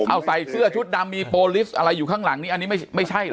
เอาใส่เสื้อชุดดำมีโปรลิสต์อะไรอยู่ข้างหลังนี้อันนี้ไม่ใช่เหรอ